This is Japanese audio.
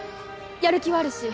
やる気はあるし